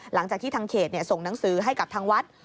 หลังจากที่ทางเขตส่งหนังสือให้กับทางวัด